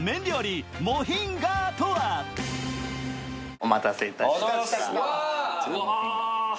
お待たせいたしました。